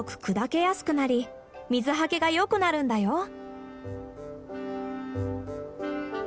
砕けやすくなり水はけが良くなるんだよ。